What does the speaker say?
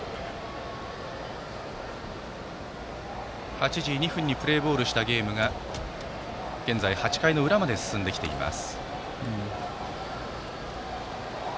８時２分にプレーボールしたゲームが現在、８回の裏まで進んできています。